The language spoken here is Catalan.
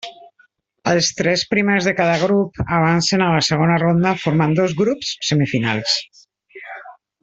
Els tres primers de cada grup avancen a la segona ronda formant dos grups semifinals.